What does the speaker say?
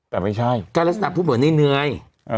แต่ไม่ใช่ก็ลักษณะพูดเหมือนนี่เหนื่อย